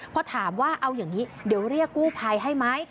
พอถามว่าเอาอย่างนี้เดี๋ยวเรียกกู้ภัยให้ไหม